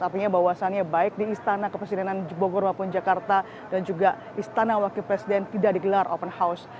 artinya bahwasannya baik di istana kepresidenan bogor maupun jakarta dan juga istana wakil presiden tidak digelar open house